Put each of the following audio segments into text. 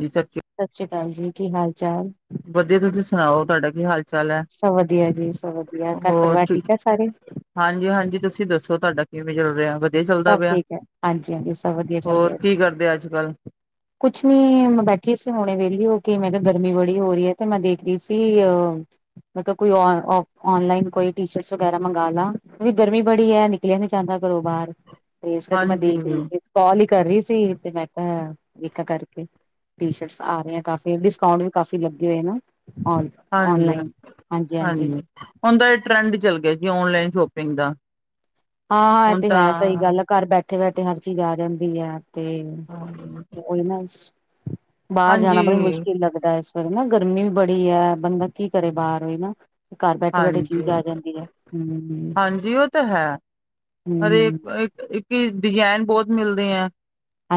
ਜੀ ਚਰਚੇ ਹਾਂਜੀ ਕੀ ਹਾਲ ਚਾਲ ਵਧੀਆ ਤੁਸੀਂ ਸੁਣਾਓ ਤੁਹਾਡਾ ਕੀ ਹਾਲ ਚ ਸਭ ਵਧੀਆ ਜੀ ਸਭ ਵਧੀਆ ਘਰ ਹੋਰ ਪਰਿਵਾਰ ਠੀਕ ਆ ਸਾਰੇ ਹਾਂਜੀ ਹਾਂਜੀ ਤੁਸੀਂ ਦੱਸੋ ਤੁਹਾਡਾ ਕਿਵੇਂ ਚੱਲ ਰਿਹਾ ਵਧੀਆ ਚੱਲਦਾ ਸਭ ਪਿਆ ਠੀਕ ਹੈ ਹਾਂਜੀ ਹਾਂਜੀ ਸਭ ਵਧੀਆ ਚੱਲ ਹੋਰ ਰਿਆ ਕੀ ਕਰਦੇ ਅੱਜ ਕੱਲ ਕੁਛ ਨੀ ਬੈਠੀ ਸੀ ਹੁਣੇ ਵੇਲੀ ਹੋ ਕਿਵੇਂ ਤਾਂ ਗਰਮੀ ਬੜੀ ਹੋ ਰਹੀ ਹੈ ਤੇ ਮੈਂ ਦੇਖ ਰਹੀ ਸੀ ਅਹ ਮਤਲਬ ਕੋਈ ਔਨਲਾਈਨ ਕੋਈ ਟੀ ਸ਼ਰਟਸ ਵਗੈਰਾ ਮੰਗ ਲਾ ਉਹਦੀ ਗਰਮੀ ਬੜੀ ਹੈ ਨਿਕਲਿਆ ਨਹੀਂ ਜਾਂਦਾ ਘਰੋ ਬਾਰ ਤੇ ਇਸ ਕਰਕੇ ਮੈਂ ਹਾਂਜੀ ਦੇਖ ਰਹੀ ਸੀ ਕਾਲ ਹੀ ਕਰ ਰਹੀ ਸੀ ਤੇ ਮੈਂ ਕਿਹਾ ਵੇਖਾ ਕਰਕੇ ਟੀ ਸ਼ਰਟਸ ਆ ਰਹੇ ਕਾਫੀ ਡਿਸਕਾਊਂਟ ਵੀ ਕਾਫੀ ਲੱਗੇ ਹੋਏ ਨਾ। ਔਨ ਹਾਂਜੀ ਔਨਲਾਈਨ ਹਾਂਜੀ, ਹੁਣ ਤੇ ਇਹ ਟਰੈਂਡ ਚੱਲ ਗਿਆ ਜੀ ਆਨ ਲਾਈਨ ਸ਼ੋਪਿੰਗ ਦਾ ਹਾਂ ਹਾਂ ਇਹ ਹੁਣ ਤੇ ਤਾਂ ਹੈ ਸਹੀ ਗੱਲ ਆ ਘਰ ਬੈਠੇ ਬੈਠੇ ਹਰ ਚੀਜ਼ ਆ ਜਾਂਦੀ ਐ। ਤੇ ਓਹੀ ਨਾ। ਬਾਹਰ ਹਾਂਜੀ ਜਾਣਾ ਬੜੀ ਮੁਸ਼ਕਿਲ ਲੱਗਦਾ ਇਸ ਵੇਲੇ ਨਾ ਗਰਮੀ ਵੀ ਬੜੀ ਐ ਬੰਦਾ ਕੀ ਕਰੇ ਬਾਹਰ ਨਾ ਘਰ ਬੈਠੇ ਬੈਠੇ ਹਾਂਜੀ ਚੀਜ਼ ਆ ਜਾਂਦੀ ਐ ਹੂੰ ਹਾਂਜੀ ਉਹ ਤਾਂ ਹੈ ਹਰੇਕ ਇੱਕ ਇੱਕ ਡਿਜ਼ਾਇਨ ਬਹੁਤ ਮਿਲਦੇ ਐ।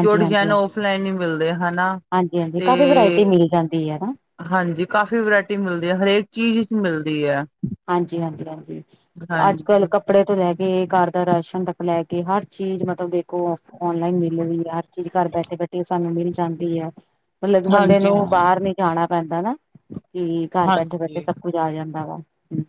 ਜੋ ਹਾਂਜੀ ਡਿਜ਼ਾਇਨ ਹਾਂਜੀ ਓਫਲਾਈਨ ਹੀ ਮਿਲਦੇ ਹਨਾ ਹਾਂਜੀ ਹਾਂਜੀ ਤੇ ਕਾਫ਼ੀ ਵਰਾਇਟੀ ਮਿਲ ਜਾਂਦੀ ਹੈ ਨਾ ਹਾਂਜੀ ਕਾਫ਼ੀ ਵਰਾਇਟੀ ਮਿਲਦੀ ਐ ਹਰੇਕ ਚੀਜ਼ ਮਿਲਦੀ ਐ। ਹਾਂਜੀ-ਹਾਂਜੀ, ਅੱਜ ਕੱਲ ਕੱਪੜੇ ਤੋਂ ਲੈ ਕੇ ਘਰ ਦਾ ਰਾਸ਼ਨ ਤੱਕ ਲੈ ਕੇ ਹਰ ਚੀਜ਼ ਮਤਲਬ ਮਤਲਬ ਦੇਖੋ ਔਨਲਾਈਨ ਮਿਲ ਰੀ ਐ ਹਰ ਚੀਜ਼ ਘਰ ਬੈਠੇ ਬੈਠੇ ਸਾਨੂੰ ਮਿਲ ਜਾਂਦੀ ਐ। ਮਤਲਬ ਕਿ ਬੰਦੇ ਹਾਂਜੀ ਨੂੰ ਹਾਂ ਬਾਹਰ ਨੀ ਜਾਣਾ ਪੈਂਦਾ ਨਾ। ਕੀ ਘਰ ਬੈਠੇ ਬੈਠੇ ਸਭ ਕੁੱਝ ਆ ਜਾਂਦਾ ਵਾ। ਹੂੰ,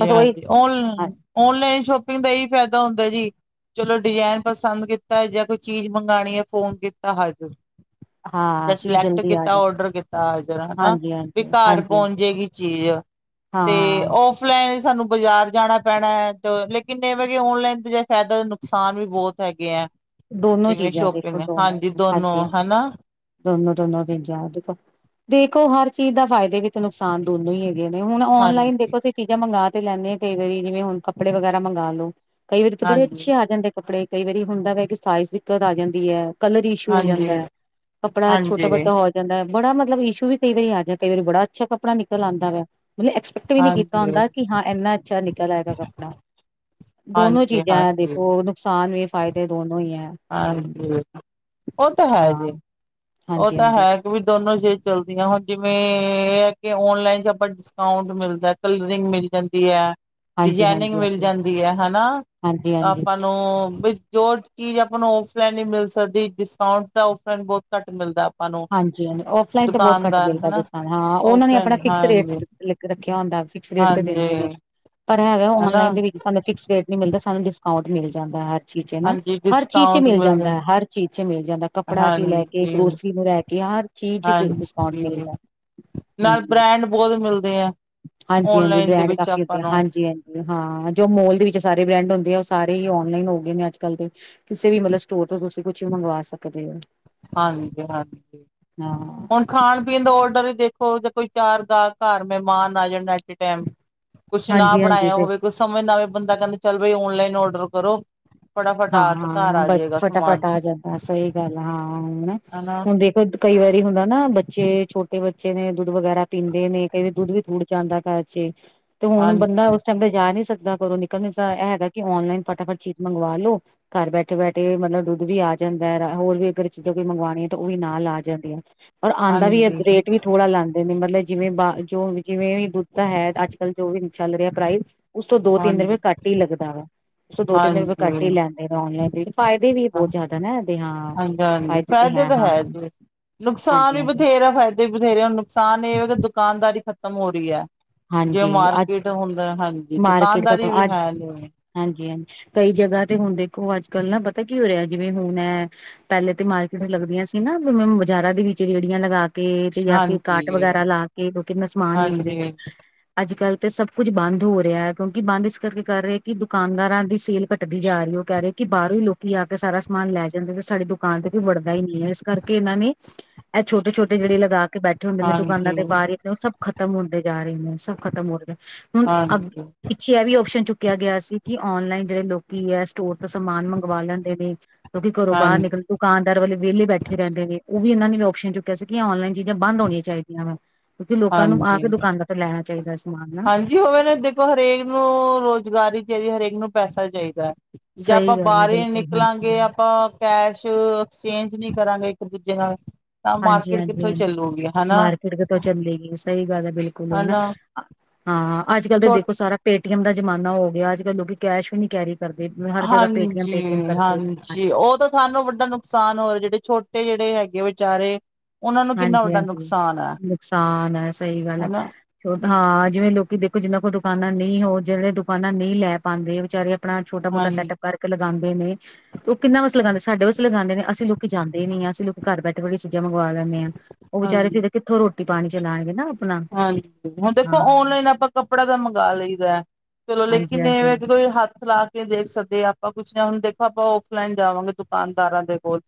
ਬਸ ਉਹੀ ਓਨ ਓਨਲਾਈਨ ਸ਼ੋਪਿੰਗ ਦਾ ਇਹੀ ਫਾਇਦਾ ਹੁੰਦਾ ਜੀ। ਚਲੋ ਡਿਜ਼ਾਇਨ ਪਸੰਦ ਕੀਤਾ ਜਾਂ ਕੋਈ ਚੀਜ਼ ਮੰਗਾਣੀ ਐ ਫੋਨ ਕੀਤਾ ਹਾਜ਼ਰ [inaudible] ਜਾਂ ਚੀਜ਼ ਸਿਲੈਕਟ ਜਲਦੀ ਆ ਕੀਤਾ ਜਾਂਦੀ ਆਰਡਰ ਕੀਤਾ ਜ਼ਰਾ ਨਾ ਹਾਂਜੀ ਵੀ ਹਾਂਜੀ ਘਰ ਹਾਂਜੀ ਪਹੁੰਚ ਹਾਂਜੀ ਜੇਗੀ ਚੀਜ਼। ਤੇ ਹਾਂ ਔਫਲਾਈਨ ਸਾਨੂੰ ਬਾਜ਼ਾਰ ਜਾਣਾ ਪੈਣਾ ਤੇ ਲੇਕਿਨ ਇਹ ਵੇਂ ਕਿ ਔਨਲਾਈਨ ਦੇ ਜੇ ਫਾਇਦਾ ਨੇ ਨੁਕਸਾਨ ਵੀ ਬਹੁਤ ਹੈਗੇ ਐ। ਦੋਨੋ ਜਿਵੇਂ ਚੀਜ਼ਾਂ ਦੇਖੋ ਸ਼ੋਪਿੰਗ ਦੋਨੋ ਹਾਂਜੀ ਦੋਨੋ ਹਾਂਜੀ ਹਾਂਜੀ ਹਨਾ। ਦੋਨੋ ਦੋਨੋ [unintelligible] ਦੇਖੋ ਹਰ ਚੀਜ਼ ਦਾ ਫਾਇਦੇ ਵੀ ਤੇ ਨੁਕਸਾਨ ਦੋਨੋਂ ਈ ਐ। ਨੇ ਹੁਣ ਔਨਲਾਈਨ ਹਾਂਜੀ ਦੇਖੋ ਅਸੀਂ ਚੀਜ਼ਾਂ ਮੰਗਾ ਤੇ ਲੈਣੇ ਆ ਕਈ ਵਾਰੀ ਜਿਵੇਂ ਹੁਣ ਕੱਪੜ ਵਗੈਰਾ ਮੰਗਾ ਲੋ ਕਈ ਵਾਰੀ ਤਾਂ ਬੜੇ ਹਾਂਜੀ ਅੱਛੇ ਆ ਜਾਂਦੇ ਕੱਪੜੇ ਕਈ ਵਾਰੀ ਹੁੰਦਾ ਵੈ ਕਿ ਸਾਈਜ਼ ਦਿੱਕਤ ਆ ਜਾਂਦੀ ਐ। ਕਲਰ ਇਸ਼ੂ ਹੋ ਹਾਂਜੀ ਜਾਂਦਾ ਕੱਪੜਾ ਛੋਟਾ ਹਾਂਜੀ ਵੱਡਾ ਹੋ ਜਾਂਦਾ। ਬੜਾ ਮਤਲਬ ਇਸ਼ੂ ਵੀ ਕਈ ਵਾਰੀ ਆ ਜਾ ਕਈ ਵਾਰੀ ਬੜਾ ਅਛਾ ਕੱਪੜਾ ਨਿਕਲ ਆਂਦਾ ਵਾ। ਮਤਲਬ ਐਕਸਪੈਕਟ ਵੀ ਨੀ ਕੀਤਾ ਹੁੰਦਾ ਹਾਂਜੀ ਕਿ ਹਾਂ ਇੰਨਾ ਅੱਛਾ ਨਿਕਲ ਆਏਗਾ ਕੱਪੜਾ ਦੋਨੋ ਹਾਂਜੀ ਚੀਜ਼ਾਂ ਹਾਂਜੀ ਦੇਖੋ ਨੁਕਸਾਨ ਵੀ ਫਾਇਦੇ ਦੋਨੋ ਈ ਐ। ਹਾਂਜੀ, ਉਹ ਤਾਂ ਹੈ ਹਾਂ ਜੀ। ਉਹ ਹਾਂਜੀ ਤਾਂ ਹਾਂਜੀ ਹੈ ਕਿ ਵੀ ਦੋਨੋ ਜੇ ਚੱਲਦੀਆਂ ਹੁਣ ਜਿਵੇਂ ਇਹ ਐ ਕਿ ਔਨਲਾਈਨ ਚ ਆਪਾਂ ਡਿਸਕਾਊਂਟ ਮਿਲਦਾ ਕਲਰਿੰਗ ਮਿਲ ਜਾਂਦੀ ਐ। ਹਾਂਜੀ ਡਿਜਾਇਨਿੰੰਗ ਹਾਂਜੀ ਹਾਂਜੀ ਮਿਲ ਹਾਂਜੀ ਜਾਂਦੀ ਐ ਹਨਾ ਹਾਂਜੀ ਆਪਾਂ ਨੂੰ ਜੋ ਚੀਜ਼ ਆਪਾਂ ਨੂੰ ਔਫਲਾਈਨ ਹੀ ਮਿਲ ਸਕਦੀ ਡਿਸਕਾਊਂਟ ਤਾਂ ਔਫਲਾਈਨ ਬਹੁਤ ਘੱਟ ਮਿਲਦਾ। ਆਪਾਂ ਨੂੰ ਹਾਂਜੀ-ਹਾਂਜੀ ਆਫਲਾਈਨ ਤੇ ਬਹੁਤ ਘੱਟ ਦੁਕਾਨਦਾਰ ਮਿਲਦਾ ਹਨਾ [unintelligible] ਹਾਂ ਉਹਨਾਂ ਨੇ ਆਪਣਾ ਔਫਲਾਈਨ ਫਿਕਸ ਹਾਂਜੀ ਰੇਟ ਲਿੱਖ ਰੱਖਿਆ ਹੁੰਦਾ। ਫਿਕਸ ਰੇਟ ਤੇ ਹਾਂਜੀ ਦਿੰਦੇ ਨੇ। ਪਰ ਹੈਗਾ ਹਨਾ ਔਨਲਾਈਨ ਦੇ ਵਿੱਚ ਸਾਨੂੰ ਫਿਕਸ ਰੇਟ ਨੀ ਮਿਲਦਾ ਸਾਨੂੰ ਡਿਸਕਾਊਂਟ ਮਿਲ ਜਾਂਦਾ ਹ ਚੀਜ਼ ਚ ਨਾ ਹਾਂਜੀ ਹਰ ਚੀਜ਼ ਚ ਡਿਸਕਾਊਂਟ ਮਿਲ ਮਿਲਦੇ ਜਾਂਦਾ ਹਰ ਚੀਜ਼ ਚ ਮਿਲ ਜਾਂਦਾ ਕੱਪੜਾ ਕੀ ਲੈ ਕੇ ਹਾਂਜੀ ਗਰੋਸਰੀ ਰਹਿ ਕੇ ਹਰ ਚੀਜ਼ ਡਿਸਕਾਊਂਟ ਹਾਂਜੀ ਮਿਲਦਾ। ਨਾਲ ਬ੍ਰੈਂਡ ਬਹੁਤ ਮਿਲਦੇ ਆ ਹਾਂਜੀ-ਹਾਂਜੀ, ਔਨਲਾਈਨ ਦੇ ਬ੍ਰੈਂਡ ਵਿੱਚ ਕਾਫੀ ਹੋ ਆਪਾਂ ਗਿਆ ਨੂੰ ਹਾਂਜੀ। ਹਾਂ ਜੋ ਮੋਲ ਦੇ ਵਿੱਚ ਸਾਰੇ ਬ੍ਰੈਂਡ ਹੁੰਦੇ ਆ ਉਹ ਸਾਰੇ ਹੀ ਔਨਲਾਈਨ ਹੋ ਗਏ ਨੇ ਅੱਜ ਕੱਲ ਦੇ ਕਿਸੇ ਵੀ ਮਤਲਬ ਸਟੋਰ ਤੁਸੀਂ ਕੁਛ ਮੰਗਵਾ ਸਕਦੇ ਓ। ਹਾਂਜੀ-ਹਾਂਜੀ। ਹਾਂ ਹੁਣ ਖਾਣ ਪੀਣ ਦਾ ਆਰਡਰ ਹੀ ਦੇਖੋ ਜੇ ਕੋਈ ਚਾਰ ਗਾਹਕ ਘਰ ਮਹਿਮਾਨ ਆ ਜਾਣਾ। [unintelligible] ਕੁਛ ਨਾ ਹਾਂਜੀ ਹਾਂਜੀ ਬਣਾਇਆ ਤੇ ਹੋਵੇ ਕੁਛ ਸਮਝ ਨਾ ਆਵੇ ਬੰਦਾ ਕਹਿੰਦਾ ਚੱਲ ਬਾਈ ਔਨਲਾਈਨ ਔਡਰ ਕਰੋ। ਫਟਾਫਟ ਹਾਂ ਆ ਹਾਂ ਤੇ ਘਰ ਹਾਂ, ਆ ਬਸ ਜਾਏਗਾ ਸਮਾਨ ਫਟਾਫਟ ਆ ਜਾਂਦਾ ਸਈ ਗੱਲ ਆ ਹਾਂ ਹਣ ਹਨਾ ਹੁਣ ਦੇਖੋ ਕਈ ਵਾਰੀ ਹੁੰਦਾ। ਹਨਾ ਬੱਚੇ ਛੋਟੇ ਬੱਚੇ ਨੇ ਦੁੱਧ ਵਗੈਰਾ ਪੀਂਦੇ ਨੇ ਕਈ ਵਾਰ ਦੁੱਧ ਵੀ ਥੁੜ ਜਾਂਦਾ ਘਰ ਚ ਤੇ ਹੁਣ ਬੰਦਾ ਹਾਂਜੀ ਉਸ ਟਾਈਮ ਤੇ ਜਾ ਨਹੀਂ ਸਕਦਾ ਘਰੋਂ ਨਿਕਲਣ ਤਾਂ ਇਹ ਹੈਗਾ ਕਿ ਔਨਲਾਈਨ ਫਟਾਫਟ ਚੀਜ਼ ਮੰਗਵਾ ਲੋ। ਘਰ ਬੈਠੇ ਬੈਠੇ ਮਤਲਬ ਦੁੱਧ ਵੀ ਆ ਜਾਂਦਾ ਹੋਰ ਵੀ ਅਗਰ ਚੀਜ਼ਾਂ ਕੋਈ ਮੰਗਾਣੀਆਂ ਤਾਂ ਉਹ ਵੀ ਨਾਲ ਆ ਜਾਂਦੀਆਂ। ਔਰ ਆਂਦਾ ਹਾਂਜੀ ਵੀ ਹਾਂਜੀ ਰੇਟ ਵੀ ਥੋੜਾ ਲੈਂਦੇ ਨੇ ਮਤਲਬ ਜਿਵੇਂ ਬਾ ਜੋ ਜਿਵੇਂ ਦੁੱਧ ਐ ਅੱਜ ਕੱਲ੍ਹ ਜੋ ਵੀ ਚੱਲ ਰਿਹਾ ਪ੍ਰਾਈ ਉਸ ਤੋਂ ਦੋ, ਤਿੰਨ ਰੁਪਏ ਹਾਂਜੀ ਘੱਟ ਹੀ ਲੱਗਦਾ ਵਾ ਉਸ ਤੋਂ ਦੋ ਤਿੰਨ ਰੁਪਏ ਹਾਂਜੀ ਘੱਟ ਹੀ ਲੈਂਦੇ ਨੇ ਔਨਲਾਈਨ। ਦੀਦੀ ਫਾਇਦੇ ਵੀ ਬਹੁਤ ਜ਼ਿਆਦਾ ਨਾ। ਇਹਦੇ ਹਾਂ ਹਾਂਜੀ- ਹਾਂਜੀ ਫਾਇਦੇ ਤੇ ਫ਼ਾਇਦੇ ਤਾਂ ਹਾਂ ਹੈ ਜੀ। ਨੁਕਸਾਨ ਹਾਂਜੀ ਵੀ ਹਾਂਜੀ ਬਥੇਰਾ ਫਾਇਦੇ ਵੀ ਬਥੇਰੇ ਹੁਣ ਨੁਕਸਾਨ ਇਹ ਕਿ ਦੁਕਾਨਦਾਰੀ ਖ਼ਤਮ ਹੋਰੀ ਐ। ਜੇ ਹਾਂਜੀ ਅੱਜ ਮਾਰਕੀਟ ਹੁੰਦਾ ਹਾਂਜੀ, ਮਾਰਕੀਟ ਦੁਕਾਨਦਾਰੀ ਵੀ ਖਤਮ ਅੱਜ ਹੈ ਨੀ। ਹਾਂਜੀ ਹਾਂਜੀ ਕਈ ਜਗ੍ਹਾ ਤੇ ਹੁਣ ਦੇਖੋ ਅੱਜ ਕੱਲ ਨਾ ਪਤਾ ਕੀ ਹੋਇਆ ਜਿਵੇਂ ਹੁਣ ਐ ਪਹਿਲੇ ਤੇ ਮਾਰਕੀਟ ਲੱਗਦੀਆਂ ਸੀ ਨਾਵੇੈਂ ਬਾਜ਼ਾਰਾਂ ਦੇ ਵਿੱਚ ਰੇਹੜੀਆਂ ਲਗਾ ਕੇ ਤੇ ਜਾਂ ਫਿਰ ਹਾਂਜੀ ਕਾਟ ਵਗੈਰਾ ਲਾ ਕੇ ਲੋਕੈਂ ਕਿੰਨਾ ਸਮਾਨ ਵੇਚਦੇ ਹਾਂਜੀ ਸੀ। ਅੱਜ ਕੱਲ੍ਹ ਤੇ ਸਭ ਕੁਝ ਬੰਦ ਹੋ ਰਿਹਾ ਹੈ ਕਿਉਂਕਿ ਬੰਦ ਇਸ ਕਰਕੇ ਕਰ ਰਹੇ ਕਿ ਦੁਕਾਨਦਾਰਾਂ ਦੀ ਸੇਲ ਘੱਟਦੀ ਜਾ ਰਹੀ ਹੋ। ਕਹਿ ਰਹੇ ਕਿ ਬਾਹਰੋਂ ਹੀ ਲੋਕੀ ਆ ਕੇ ਸਾਰਾ ਸਮਾਨ ਲੈ ਜਾਂਦੇ ਤੇ ਸਾਡੀ ਦੁਕਾਨ ਤੇ ਕੋਈ ਵੜਦਾ ਹੀ ਨਹੀਂ ਹੈ ਇਸ ਕਰਕੇ ਇਹਨਾਂ ਨੇ ਇਹ ਛੋਟੇ ਛੋਟੇ ਜਿਹੜੇ ਲਦਾਖ ਬੈਠੇ ਹੁੰਦੇ ਨੇ ਹਾਂਜੀ, ਦੁਕਾਨਾਂ ਦੇ ਬਾਹਰੇ ਉਹ ਸਭ ਖਤਮ ਹੁੰਦੇ ਜਾ ਰਹੇ ਨੇ ਸਭ ਖ਼ਤਮ ਹੋਦੇਂ ਹੁਣ ਅ ਹਾਂਜੀ, ਪਿੱਛੇ ਇਹ ਵੀ ਆਪਓਪਸ਼ਨ ਚੁੱਕਿਆ ਗਿਆ ਸੀ, ਕਿ ਔਨਲਾਈਨ ਜਿਹੜੇ ਲੋਕੀ ਹੈ ਸਟੋਰ ਸਮਾਨ ਮੰਗਵਾ ਲੈਂਦੇ ਨੇ, ਕਿਉਂਕਿ ਘਰੋਂ ਬਾਹਰ ਹਾਂਜੀ, ਨਿਕਲ ਦੁਕਾਨਦਾਰ ਵਾਲੇ ਵਿਹਲੇ ਬੈਠੇ ਰਹਿੰਦੇ ਨੇ। ਉਹ ਵੀ ਇਹਨਾਂ ਨੇ ਆਪਓਪਸ਼ਨ ਚੁੱਕਿਆ ਸੀ ਕਿ ਔਨਲਾਈਨ ਚੀਜ਼ਾਂ ਬੰਦ ਹੋਣੀਆਂ ਚਾਹੀਦੀਆਂ ਵਾ ਕਿਉਂਕਿ ਲੋਕਾਂ ਨੂੰ ਆ ਕੇ ਹਾਂਜੀ। ਦੁਕਾਨਾਂ ਤੋਂ ਲੈਣਾ ਚਾਹੀਦਾ ਸਮਾਨ ਨਾ ਹਾਂਜੀ, ਹੋਵੇ ਨੇ ਦੇਖੋ ਹਰੇਕ ਨੂੰ ਰੁਜ਼ਗਾਰੀ ਚਾਹੀਦੀ ਹਰੇਕ ਇਨੂੰ ਪੈਸਾ ਚਾਹੀਦਾ। ਜੇ ਸਹੀ ਆਪਾਂ ਗੱਲ ਹੈ ਬਾਰੇ ਬਿਲਕੁਲ ਨਿਕਲਾਂਗੇ ਹਾਂਜੀ ਆਪਾਂ ਕੈਸ਼ ਐਕਸਚੇਂਜ ਨਹੀਂ ਕਰਾਂਗੇ ਦੂਜੇ ਨਾਲ ਤਾਂ ਹਾਂਜੀ ਮਾਰਕੀਟ ਹਾਂਜੀ ਕਿੱਥੋਂ ਹਾਂਜੀ ਚੱਲੂਗੀ ਹੈਨਾ। ਮਾਰਕੀਟ ਕਿਤੋਂ ਸਹੀ ਗੱਲ ਹੈ ਬਿਲਕੁਲ ਹਨਾ, ਹਾਂ ਅੱਜ ਕੱਲ ਤਾਂ ਛੋ ਦੇਖੋ ਸਾਰਾ ਭੇਦ ਟੀ ਐਮ ਦਾ ਜਮਾਨਾ ਹੋ ਗਿਆ, ਅੱਜ ਕੱਲ ਲੋਕੀ ਕੈਸ਼ ਵੀ ਨਹੀਂ ਕੈਰੀ ਕਰਦੇ ਹਰ ਜਗ੍ਹਾ ਪੇਟੀਐਮ ਪੇਟੀਐਮ ਹਾਂਜੀ- ਕਰਦੇ ਨੇ ਹਾਂਜੀ ਉਹ ਤਾਂ ਸਾਨੂੰ ਵੱਡਾ ਨੁਕਸਾਨ ਹੋ ਜਿਹੜੇ ਛੋਟੇ ਜੇ ਤੇ ਹੈਗੇ ਵਿਚਾਰੇ ਉਹਨਾਂ ਨੂੰ ਕਿੰਨਾ ਹਾਂਜੀ- ਵੱਡਾ ਹਾਂਜੀ ਨੁਕਸਾਨ ਹੈ ਨੁਕਸਾਨ ਹੈ ਸਹੀ ਗੱਲ ਏ ਹਨਾ ਹਾਂ ਜਿਵੇਂ ਲੋਕੀ ਦੇਖੋ ਜਿਨਾ ਕੋਲ ਦੁਕਾਨਾਂ ਨਹੀਂ ਹੋ ਜਿਹੜੇ ਦੁਕਾਨਾਂ ਨਹੀਂ ਲੈ ਪਾਉਂਦੇ ਉ ਵਿਚਾਰੇ ਆਪਣਾ ਛੋਟਾ- ਮੋਟਾ ਹਾਂਜੀ, ਸੈੱਟਅਪ ਕਰਕੇ ਲਗਾਂਦੇ ਨੇ ਤੇ ਉਹ ਕਿੰਨਾ ਵਾਸਤੇ ਲਗਾਂਦੇ ਸੀ। ਸਾਡੇ ਵਾਸਤੇ ਲਗਾਦੇਂ ਨੇ ਅਸੀਂ ਲੋਕੀ ਜਾਂਦੇ ਇ ਨਹੀਂ ਆ ਅਸੀਂ ਲੋਕ ਘਰ ਬੈਠੇ -ਬੈਠੇ ਚੀਜਾਂ ਮੰਗਵਾ ਲ ਲੇਨੇ ਆ ਉਹ ਵਿਚਾਰੇ ਹਾਂਜੀ। ਫਿਰ ਕਿੱਥੋਂ ਰੋਟੀ -ਪਾਣੀ ਚਲਾਣਗੇ ਨਾ। ਆਪਣਾ ਹਾਂਜੀ। ਹੁਣ ਦੇਖੋ ਹਾਂ ਔਨਲਾਈਨ ਆਪਾਂ ਕੱਪੜਾ ਤਾਂ ਮੰਗਾ ਲਈ ਦਾ। ਔ ਚਲੋ ਹਾਂਜੀ ਲੇਕਿਨ ਇਹ ਹਾਂਜੀ ਵੇਂ ਕਿ ਕੋਈ ਹੱਥ ਲਾ ਕੇ ਦੇਖ ਸਕੇ ਕਿ ਆਪਾਂ ਕੁਛ ਹੁਣ ਦੇਖੋ ਆਪਾਂ ਔਫਲਾਈਨ ਜਾਵਾਂਗੇ ਦੁਕਾਨਦਾਰਾਂ ਦੇ ਕੋਲ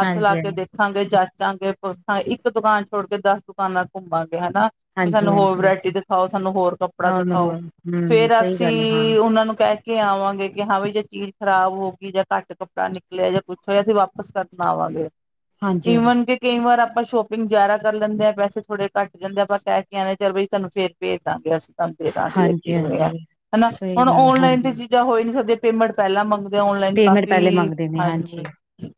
ਹੱਥ ਲਾ ਹਾਂਜੀ ਕੇ ਦੇਖਾਂਗੇ ਜਚ ਚਾਗੇਂ ਪੁਰਖਾ ਇੱਕ ਦੁਕਾਨ ਛੋੜ ਕੇ ਦਸ ਦੁਕਾਨਾਂ ਘੁੰਮਾਂਗੇ ਹੈਨਾ। ਵੀ ਹਾਂਜੀ ਹਾਂਜੀ ਸਾਨੂੰ ਹੋਰ ਹਾਂਜੀ ਵੈਰਾਟੀ ਦਖਾਓ, ਸਾਨੂੰ ਹੋਰ ਕੱਪੜਾ ਹੋਰ ਦਖਾਓ, ਹੋਰ ਹਮ ਫੇਰ ਸਹੀ ਗੱਲ ਹੈ ਹਾਂ ਅਸੀਂ ਉਹਨਾਂ ਨੂੰ ਕਹਿ ਕਿ ਆਵਾਂਗੇ ਕਿ ਹਾਂ ਵੀ ਜੇ ਚੀਜ਼ ਖਰਾਬ ਹੋ ਗਈ, ਜਾਂ ਘੱਟ ਕੱਪੜਾ ਨਿਕਲਿਆ, ਜਾਂ ਕੁਛ ਹੋਇਆ ਅਸੀ ਵਾਪਸ ਕਰਨ ਆਵਾਂਗੇ। ਹਾਂਜੀ ਹਾਂਜੀ ਈਵਨ ਕਿ ਕਈ ਵਾਰ ਆਪਾਂ ਸ਼ੋਪਿੰਗ ਜ਼ਿਆਦਾ ਕਰ ਲੈਂਦੇ ਆ ਪੈਸੇ ਥੋੜੇ ਘੱਟ ਜਾਂਦੇ ਆ ਪਰ ਕਹਿ ਕੇ ਆਨੇ ਚੱਲ ਬਇ ਤੁਹਾਨੂੰ ਫੇਰ ਭੇਜ ਦਾਂਗੇ ਅਸੀ। ਫਾਂ ਦੀ ਹਾਂਜੀ ਹੋ ਆ ਹਾਂਜੀ [unintelligible] ਹੈਨਾ ਸਹੀ ਹੁਣ ਗੱਲ ਔਨਲਾਈਨ ਤੇ ਹਾਂਜੀ ਚੀਜ਼ਾਂ ਹੋ ਹੀ ਨੀ ਸਕਦੀਆਂ ਪੇਮੈਂਟ ਪਹਿਲਾਂ ਮੰਗ ਓਨਲਾਈਨ ਪੇਮੈਂਟ ਕਾਫੀ ਪਹਿਲੇ ਮੰਗਦੇ ਨੇ ਹਾਂਜੀ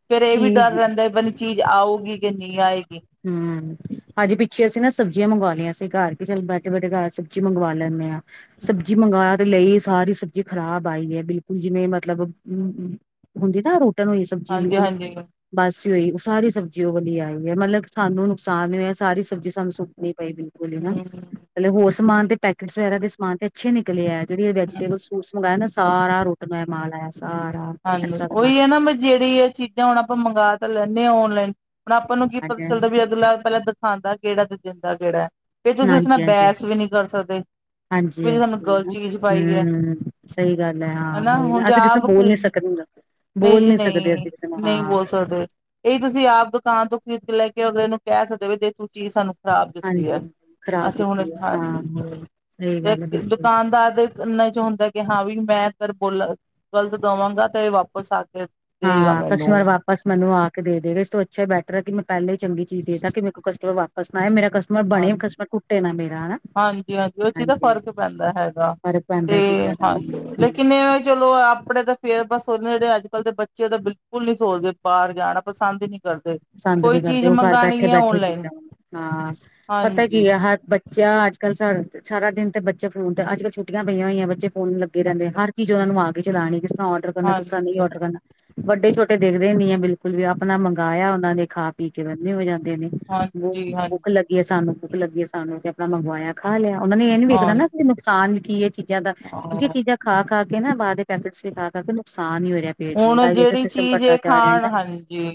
ਫੇਰ ਇਹ ਵੀ ਜੀ ਡਰ ਜੀ ਰਹਿੰਦਾ ਪਤਾਂ ਨੀ ਚੀਜ਼ ਆਊਗੀ? ਕਿ ਨੀ ਆਏ। ਹਮ-ਮ ਅਜੇ ਪਿੱਛੇ ਏਨਾ ਸਬਜ਼ੀਆਂ ਮੰਗਵਾ ਲਈਆਂ ਸੀ ਘਰ ਕੇ ਚਲ ਬੈਠੇ ਬੈਠੇ ਘਰ ਸਬਜ਼ੀ ਮੰਗਵਾ ਲੈਂਦੇ ਹਾਂ। ਸਬਜ਼ੀ ਮੰਗਾਵਾ ਤੇ ਲਈ ਸਾਰੀ ਸਬਜ਼ੀ ਖ਼ਰਾਬ ਆਈ ਹੈ, ਬਿਲਕੁਲ ਜਿਵੇਂ ਮਤਲਬ ਹੂੰ ਹੂੰ ਹੁੰਦੀ ਨਾ ਰੂ ਹੋਈ ਸਬਜ਼ੀ ਹਾਂਜੀ ਬਿਲਕੁਲ ਹਾਂਜੀ ਹੂੰ ਬਾਸੀ ਹੋਈ ਉਹ ਸਾਰੀ ਸਬਜ਼ੀ ਉਹ ਵਾਲੀ ਆਈ ਹੈ। ਮਤਲਬ ਸਾਨੂੰ ਨੁਕਸਾਨ ਹੋਇਆ। ਸਾਰੀ ਸਬਜ਼ੀ ਸਾਨੂੰ ਸੁੱਟਣੀ ਪਈ ਬਿਲਕੁਲ ਹੀ ਨਾ। ਹਾਲੇ ਹੋਰ ਸਮਾਨ ਦੇ ਪੈਕਟਸ ਵਗੈਰਾ ਦੇ ਸਮਾਨ ਤੇ ਅੱਛੇ ਨਿਕਲੇ ਆ। ਜਿਹੜੇ ਇਹ ਵੈਜੀਟੇਬਲ ਸੂਪਸ ਮੰਗਾਏ ਨਾ ਸਾਰਾ ਰੁੱਟ ਮੈ ਮਾਲ ਆਇਆ ਸਾਰਾ ਹਾਂਜੀ ਇਸ ਤਰ੍ਹਾਂ ਦਾ ਮਾਲ ਉਹੀ ਹੈ, ਮੈਂ ਨਿਕਲਿਆ। ਨਾ ਜਿਹੜੀ ਆ ਚੀਜ਼ਾਂ ਹੁਣ ਆਪਾ ਮੰਗਾ ਤਾਂ ਲੈਂਨੇ ਆ ਔਨਲਾਈਨ। ਹੁਣ ਆਪਾਂ ਨੂੰ ਕੀ ਪਤਾ ਹਾਂਜੀ ਚੱਲਦਾ ਵੀ ਅਗਲਾ ਪਹਿਲਾਂ ਦਿਖਾਂਦਾ ਕਿੜਾ ਤੇ ਦਿੰਦਾ ਕਿੜਾ। ਫੇਰ ਤੁਸੀਂ ਉਸ ਨਾਲ ਹਾਂਜੀ ਬਹਿਸ ਵੀ ਨਹੀਂ ਕਰ ਸਕਦੇ। ਹਾਂਜੀ- ਵੀ ਸਾਨੂੰ ਹਾਂਜੀ ਗਲਤ ਹਮ ਚੀਜ਼ ਪਾਈ ਹੈ ਸਹੀ ਗੱਲ ਹੈ, ਹਾਂ ਹਨਾ ਉਹੀ ਨਾ ਹੁਣ ਜੇ ਅਸੀਂ ਕਿਸੇ ਆਪ ਨੂੰ ਬੋਲ ਨੀ ਸਕ ਨਹੀਂ ਜੀ ਨਹੀਂ- ਹਾਂ ਨਹੀਂ ਬੋਲ ਸਕਦੇ ਇਹੀ ਤੁਸੀਂ ਆਪ ਦੁਕਾਨ ਤੋਂ ਖਰੀਦ ਕੇ ਲੈ ਕੇ ਅਵੇ ਅਗਲੇ ਨੂੰ ਕਹਿ ਸਕਦੇ ਵੀ ਜੇ ਤੂੰ ਚੀਜ਼ ਸਾਨੂੰ ਖ਼ਰਾਬ ਦਿੱਤੀ ਹਾਂਜੀ ਹੈ ਖ਼ਰਾਬ ਅਸੀਂ ਹੁਣ ਦਿੱਤੀ ਹੈ ਹਾਂ ਹਾਂਜੀ। ਸਹੀ ਗੱਲ ਹੈ ਤੇ ਬਿਲਕੁਲ ਦੁਕਾਨਦਾਰ ਦੇ ਕੰਨਾਂ ਚੋਂ ਕਿ ਹਾਂ ਵੀ ਮੈਂ ਅਰ ਬੋਲਾ ਗਲਤ ਦਵਾਂਗਾ ਤੇ ਵਾਪਸ ਆ ਕੇ ਦੇਗਾ ਹਾਂ ਮੈਨੂੰ ਕਸਟਮਰ ਵਾਪਸ ਮੈਨੂੰ ਆ ਕੇ ਦੇ ਦੇਗੇ ਇਸ ਤੋਂ ਅੱਛਾ ਬੈਟਰ ਹੈ ਕਿ ਮ ਪਹਿਲਾਂ ਹੀ ਚੰਗੀ ਚੀਜ਼ ਦੇਦਾ ਕਿ ਮੇਰੇ ਕੋ ਕਸਟਮਰ ਵਾਪਸ ਨਾ ਆਏ ਮੇਰਾ ਕਸਟਮਰ ਬਣੇ ਕਸਟਮਰ ਟੁੱਟੇ ਨਾ ਮੇਰੇ ਹਾਂਜੀ -ਹਾਂਜੀ ਉਹ ਚੀਜ਼ ਦਾ ਫ਼ਰਕ ਪੈਂਦਾ ਹੈਗਾ। ਫ਼ਰਕ ਪੈਂਦਾ ਤੇ ਇਹ ਚੀਜ਼ਾਂ ਦਾ ਨਾ ਹਾਂਜੀ ਹੂੰ। ਲੇਕਿਨ ਇਹਵੇਂ ਕੇ ਲੋਕ ਆਪਣੇ ਤਾਂ ਫੇਰ ਬਸ ਹੁਣ ਜਿਹੜੇ ਅੱਜ ਕੱਲ ਦੇ ਬੱਚੇ ਉਹ ਤੇ ਬਿਲਕੁਲ ਨੀ ਸੋਚਦੇ ਬਾਹਰ ਜਾਣਾ ਪਸੰਦ ਹੀ ਨਹੀਂ ਕਰਦੇ। ਪਸੰਦ ਕੋਈ ਨਹੀ ਚੀਜ਼ ਕਰਦੇ ਉਹ ਘਰ ਬੈਠੇ ਮੰਗਾਣੀ ਹੈ ਬੈਠੇ ਕੀ ਔਨਲਾਈਨ ਹਾਂ ਪਤਾ ਹਾਂਜੀ, ਕੀ ਐ ਹਰ ਬੱਚਾ ਅੱਜ ਕੱਲ ਸਾਰਾ ਦਿਨ ਤੇ ਬੱਚੇ ਫੋਨ ਤੇ ਅੱਜ ਕੱਲ ਛੁੱਟੀਆਂ ਪਈਯਾਂ ਹੋਈਆਂ ਬੱਚੇ ਫੋਨ ਲੱਗੇ ਰਹਿੰਦੇ ਹਾਂਜੀ, ਹਰ ਚੀਜ਼ ਉਹਨਾਂ ਨੂੰ ਆ ਚਲਾਣੀ ਕਿਸ ਤਰ੍ਹਾਂ ਔਡਰ ਕਰਨਾ ਕਿਸ ਤਰ੍ਹਾਂ ਹਾਂਜੀ, ਨਹੀਂ ਔਡਰ ਕਰਨਾ ਵੱਡੇ ਛੋਟੇ ਦੇਖਦੇ ਹੀ ਨੀ ਆ ਬਿਲਕੁਲ ਵੀ ਆਪਣਾ ਮੰਗਾਇਆ ਉਹਨਾ ਦੇ ਖਾ ਪੀ ਕੇ ਬੰਨੇ ਹੋ ਜਾਂਦੇ ਨੇੁ ਹਾਂਜੀ। ਭੁੱਖ ਲੱਗੀ ਹੈ ਸਾਨੂੰ ਭੁੱਖ ਲੱਗੀਏ ਸਾਨੂੰ ਤੇ ਆਪਣਾ ਮੰਗਵਾਇਆ ਖਾ ਲਿਆ। ਉਹਨਾ ਨੇ ਇਹ ਨੀ ਵੇਖਨਾ ਹਾਂ, ਨਾ ਨੁਕਸਾਨ ਵੀ ਕੀ ਇਹ ਚੀਜ਼ਾਂ ਦਾ ਕਿਉਂਕਿ ਇਹ ਹਾਂ, ਚੀਜ਼ਾਂ ਖਾ- ਖਾ ਕੇ ਨਾ ਬਾਦ ਚ ਪੈਕਟਸ ਵੀ ਖਾ- ਖਾ ਕੇ ਨੁਕਸਾਨ ਹੀ ਹੋਇਆ। ਹੁਣ ਜਿਹੜੀ ਚੀਜ਼ ਖਾਣ ਹਾਂਜੀ।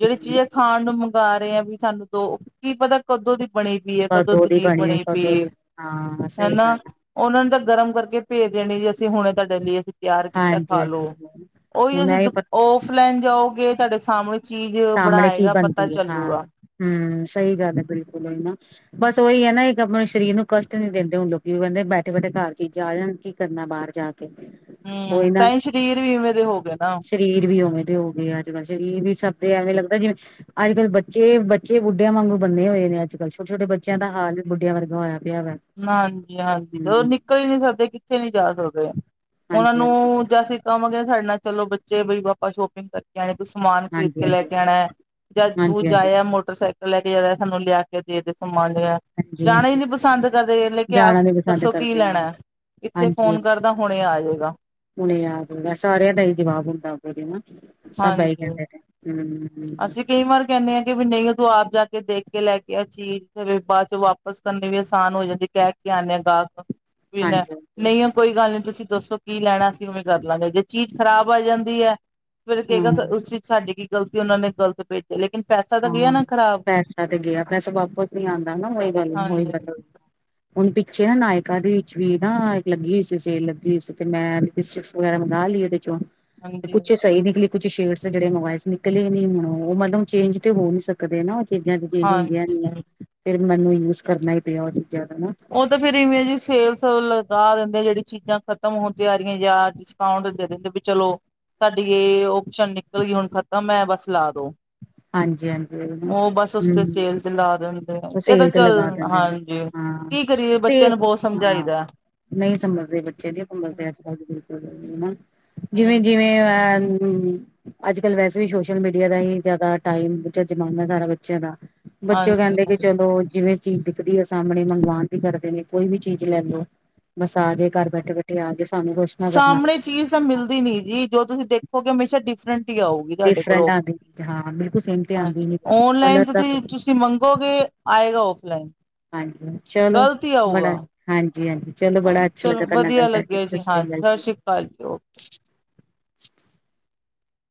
ਜਿਹੜੀ ਚੀਜ਼ ਆ ਖਾਣ ਨੂੰ ਮੰਗਾ ਰਹੇ ਆ ਵੀ ਸਾਨੂੰ ਦੋ ਕੀ ਪਤਾ ਕੱਦੋਂ ਦੀ ਬਣੀ ਪਈਏ ਕਦੋਂ ਦੀ ਚੀਜ਼ ਹੋਈ ਬਣੀ ਕਦੋਂ ਪਈ ਦੀ ਹਾਂ ਸਹੀ ਹਨਾ ਗੱਲ ਹੈ ਉਹਨਾਂ ਨੂੰ ਤਾਂ ਗਰਮ ਕਰਕੇ ਭੇਜ ਦੇਣੀ ਜੀ ਅਸੀਂ ਹੁਣੇ ਤੁਹਾਡੇ ਲਈ ਅਸੀਂ ਤਿਆਰ ਕੀਤਾ ਹਾਂਜੀ ਖਾ ਲੋ ਹਾਂਜੀ ਉਹੀ ਹੁਣ ਇਹ ਤੁਸੀਂ ਪ ਔਫ ਲੈਨ ਜਾਓਗੇ ਤੁਹਾਡੇ ਸਾਹਮਣੇ ਚੀਜ਼ ਸਾਹਮਣੇ ਚ ਹੀ ਬਣਾਏਗਾ ਪਤਾ ਬਣਦੀ ਹੈ ਹਾਂ ਚੱਲੂਗਾ। ਹਮ ਸਹੀ ਗੱਲ ਹੈ ਬਿਲਕੁਲ ਨਾ ਬਸ ਉਹੀ ਹੈ ਨਾ ਇੱਕ ਆਪਣੇ ਸਰੀਰ ਨੂੰ ਕਸ਼ਟ ਨਹੀਂ ਦਿੰਦੇ ਲੋਕੀ ਕਹਿੰਦੇ ਬੈਠੇ ਬੈਠੇ ਘਰ ਚੀਜ਼ਾਂ ਆ ਜਾਣ ਕੀ ਕਰਨਾ ਬਾਹਰ ਜਾ ਕੇ ਕੋਈ ਹੂੰ ਨਾ ਤਾਂ ਹੀ ਸਰੀਰ ਵੀ ਇਵੇਂ ਦੇ ਹੋ ਗਏ ਨਾ। ਸਰੀਰ ਵੀ ਉਵੇਂ ਦੇ ਹੋ ਗਏ ਅੱਜ ਕੱਲ੍ਹ ਸਰੀਰ ਵੀ ਸਭ ਐਵੇਂ ਲੱਗਦਾ ਜਿਵੇਂ ਅੱਜ ਕੱਲ ਬੱਚੇ ਬੱਚੇ ਬੁੱਢਿਆਂ ਵਾਂਗ ਬੰਨੇ ਹੋਏ ਨੇ ਅੱਜ ਕੱਲ ਛੋਟ ਛੋਟੇ ਬੱਚਿਆਂ ਦਾ ਹਾਲ ਬੁੱਢਿਆ ਵਰਗਾ ਹੋਇਆ ਪਿਆ ਵਾ ਹਾਂਜੀ ਹਾਂਜੀ ਉਹ ਹਮ ਨਿਕਲ ਹੀ ਨਹੀਂ ਸਕਦੇ ਕਿੱਥੇ ਨਹੀਂ ਜਾ ਸਕਦੇ ਉਹਨਾਂ ਹਾਂਜੀ ਹਾਂਜੀ ਨੂੰ ਜੀ ਅਸੀਂ ਕਵਾਂਗੇ ਸਾਡੇ ਨਾਲ ਚਲੋ ਬੱਚੇ ਬਈ ਆਪਾਂ ਸ਼ੋਪਿੰਗ ਕਰਕੇ ਆਣੇ ਸਮਾਨ ਖਰੀਦ ਹਾਂਜੀ ਹਾਂਜੀ ਕੇ ਲੈ ਕੇ ਆਉਣਾ ਜਾਂ ਤੂੰ ਹਾਂਜੀ ਹਾਂਜੀ ਜਾਇਆ ਮੋਟਰਸਾਈਕਲ ਲੈ ਕੇ ਜਾਂਦਾ ਸਾਨੂੰ ਲਿਆ ਕੇ ਦੇ ਦੇ ਸਮਾਨ ਲਿਆ ਹਾਂਜੀ ਜਾਣਾ ਹਾਂਜੀ ਹੀ ਨੀ ਪਸੰਦ ਕਰਦੇ ਇਹ ਲੇ ਕੇ ਆ ਜਾਣਾ ਨੀ ਪਸੰਦ ਦੱਸੋ ਕੀ ਕਰਦੇ ਆ ਲੈਣਾ ਇੱਥੇ ਹਾਂਜੀ ਫੋਨ ਕਰਦਾ ਹੁਣੇ ਆ ਹਾਂਜੀ ਜਾਏਗਾ ਹੁਣੇ ਆ ਜਾਊਗਾ ਸਾਰਿਆਂ ਦਾ ਹੀ ਜਵਾਬ ਹੁੰਦਾਰੇ ਨਾ ਸਭ ਇਹੀ ਹਾਂਜੀ। ਕਹਿੰਦੇ ਨੇ ਹਮ ਅਸੀਂ ਕਈ ਵਾਰ ਕਹਿੰਦੇ ਹਾਂ ਕਿ ਵੀ ਨਹੀਂ ਉਹ ਤੂੰ ਆਪ ਜਾ ਕੇ ਦੇਖ ਕੇ ਲੈ ਕੇ ਆ ਚੀਜ਼ ਫਿਰ ਬਾਅਦ ਚੋਂ ਵਾਪਿਸ ਕਰਨੀ ਵੀ ਆਸਾਨ ਹੋ ਜਾਂਦੀ ਕਹਿ ਕੇ ਆਉਂਦੇ ਹਾਂ ਗਾਹਕ ਵੀ ਹਾਂਜੀ ਹਾਂਜੀ ਨਹੀਂ ਆ ਕੋਈ ਗੱਲ ਨੀ ਤੁਸੀਂ ਦੱਸੋ ਕੀ ਲੈਣਾ ਅਸੀਂ ਉਵੇਂ ਕਰ ਲਾਂਗੇ ਜੇ ਚੀਜ਼ ਖ਼ਰਾਬ ਆ ਜਾਂਦੀ ਹੈ ਫਿਰ ਉਹ ਹਾਂ ਕਹੇਗਾ ਉਸ ਚ ਸਾਡੀ ਕੀ ਗਲਤੀ ਉਹਨਾਂ ਨੇ ਗਲਤ ਭੇਜਿਆ ਲੇਕਿਨ ਪੈਸਾ ਤਾਂ ਗਿਆ ਹਾਂ ਨਾ ਖ਼ਰਾਬ ਪੈਸਾ ਤੇ ਗਿਆ ਪੈਸਾ ਵਾਪਸ ਨ ਆਉਂਦਾ ਉਹੀ ਗੱਲ ਉਹੀ ਹਾਂਜੀ ਗੱਲ ਹੁਣ ਪਿੱਛੇ ਨਾ ਨਾਇਕਾਂ ਦੇ ਵਿੱਚ ਵੀ ਨਾ ਇੱਕ ਲੱਗੀ ਹੋਈ ਸੀ ਸੇਲ ਲੱਗੀ ਹੋਈ ਸੀ ਤੇ ਲਪੇਸਟਿਕ ਵਗੈਰਾ ਮੰਗਾ ਲਈਆਂ ਇਹਦੇ ਚੋਂ ਹਾਂਜੀ ਕੁਛ ਸਹੀ ਨਿਕਲੀ ਕੁਛ ਸ਼ੇਡਸ ਜਿਹੜੇ ਮੋਬਲ ਨਿਕਲੇ ਨ ਹੁਣ ਉਹ ਮਤਲਬ ਚੇਂਜ ਤੇ ਹੋ ਨੀ ਸਕਦੇ ਨਾ ਉਹ ਚੀਜ਼ਾਂ ਚ ਚੇਂਜ ਹਾਂਜੀ ਹੁੰਦੀਆਂ ਨੀ ਆ ਫੇਰ ਮੈਨੂੰ ਯੂਜ ਕਰਨਾ ਹੀ ਪਿਆ ਉਹ ਦਾ ਨਾ ਉਹ ਤਾਂ ਫੇਰ ਇਵੇਂ ਜੀ ਸੇਲ ਲਗਾ ਦਿੰਦੇ ਜਿਹੜੀ ਚੀਜ਼ਾਂ ਖ਼ਤਮ ਹੁੰਦੀ ਆ ਰਹੀਆਂ ਜਾਂ ਡਿਸਕਾਊਂਟ ਦੇ ਦਿੰਦੇ ਵੀ ਚਲੋ ਸਾਡੀ ਇਹ ਓਪਸ਼ਨ ਨਿਕਲ ਗਈ ਹੁਣ ਖਤਮ ਹੈ ਬਸ ਲਾ ਦੋ ਹਾਂਜੀ ਹਾਂਜੀ ਉਹ ਬਸ ਉਸ ਉਹੀ ਤੇ ਹੂੰ ਸੇਲ ਤੇ ਲਾ ਦਿੰਦੇ ਉਹ ਇਹ ਤਾਂ ਸੇਲ ਤੇ ਚੱਲ ਲਗਾ ਦਿੰਦੇ ਨੇ ਹਾਂਜੀ ਹਾਂ ਕੀ ਕਰੀਏ ਬੱਚਿਆਂ ਤੇ ਨੂੰ ਬਹੁਤ ਹਾਂ ਸਮਝਾਈਦਾ ਨਹੀਂ ਸੰਭਲਦੇ ਬੱਚੇ ਨਹੀਂ ਸਮਝਦੇ ਅੱਜ ਕੱਲ ਜਿਵੇਂ ਹੂੰ ਜਿਵੇਂ ਅ ਹਮ ਅੱਜ ਕੱਲ ਵੈਸੇ ਵੀ ਸੋਸ਼ਲ ਅੱਜ ਕੱਲ ਵੈਸੇ ਹੀ ਸੋਸ਼ਲ ਮੀਡੀਆ ਦਾ ਹੀ ਜ਼ਿਆਦਾ ਟਾਈਮ ਜ਼ਮਾਨਾ ਸਾਰਾ ਬੱਚਿਆਂ ਦਾ ਬੱਚੇ ਹਾਂਜੀ ਕਹਿੰਦੇ ਕਿ ਹਾਂਜੀ ਚਲੋ ਜਿਵੇਂ ਚੀਜ਼ ਦਿਖਦੀ ਹੈ ਸਾਹਮਣੇ ਮੰਗਵਾਣ ਵੀ ਕਰਦੇ ਨੇ ਕੋਈ ਵੀ ਚੀਜ਼ ਲੈ ਲਓ ਮਸਾਜਏ ਘਰ ਬੈਠੇ ਬੈਠੇ ਆ ਗ ਸਾਹਮਣੇ ਚੀਜ਼ ਤਾਂ ਮਿਲਦੀ ਨੀ ਜੀ ਜੋ ਤੁਸੀਂ ਦੇਖੋਗੇ ਹਮੇਸ਼ਾ ਡਿਫਰੈਂਟ ਆਊਗੀ ਤੁਹਾਡੇ ਡਿਫਰੈਂਟ ਕੋਲੋਂ ਆਉਂਦੀ ਚੀਜ਼ ਹਾਂ ਬਿਲਕੁਲ ਸੇਮ ਤੇ ਆਉਂਦੀ ਹਾਂਜੀ ਨੀ ਓਨਲਾਈਨ ਕਲਰ ਦਾ ਤੁਸੀਂ ਤੁਸੀਂ ਮੰਗੋਗੇ ਆਏਗਾ ਉਹ ਹਾਂਜੀ ਚਲੋ ਆਊਗਾ ਬੜਾ ਹਾਂਜੀ ਜੀ ਹਾਂਜੀ ਚਲੋ ਹਾਂ ਬੜਾ ਅੱਛਾ ਲੱਗਾ ਚਲੋ ਤੁਹਾਡੇ ਨਾਲ ਵਧੀਆ ਗੱਲ ਕਰਕੇ ਲੱਗਿਆ ਸਤਿ ਜੀ ਸ੍ਰੀ ਹਾਂਜੀ ਅਕਾਲ ਸ਼੍ਰੀ ਅਕਾਲ ਜੀ [inaudible]